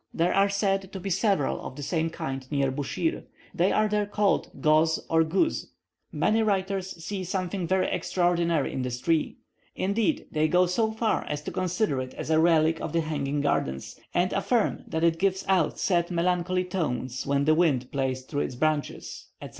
There are said to be several of the same kind near Buschir they are there called Goz or Guz. Many writers see something very extraordinary in this tree; indeed they go so far as to consider it as a relic of the hanging gardens, and affirm that it gives out sad melancholy tones when the wind plays through its branches, etc.